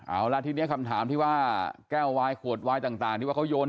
เอาละทีนี้คำถามที่ว่าแก้ววายขวดวายต่างที่ว่าเขาโยน